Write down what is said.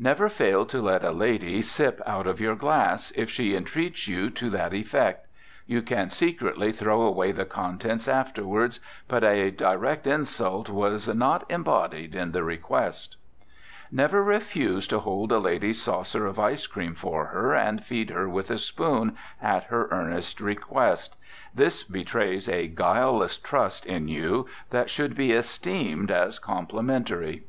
Never fail to let a lady sip out of your glass, if she entreats you to that effect. You can secretly throw away the contents afterward, but a direct insult was not embodied in the request. Never refuse to hold a lady's saucer of ice cream for her, and feed her with a spoon, at her earnest request. This betrays a guileless trust in you that should be esteemed as complimentary.